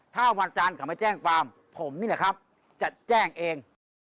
ถ้าวันจันทร์เขามาแจ้งความผมนี่แหละครับจะแจ้งเอง